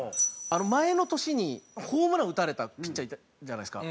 前の年にホームラン打たれたピッチャーいたじゃないですか。